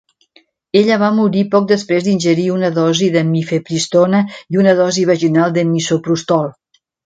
Ella va morir poc després d'ingerir una dosi de mifepristona i una dosi vaginal de misoprostol.